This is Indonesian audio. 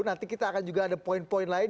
nanti kita akan juga ada poin poin lain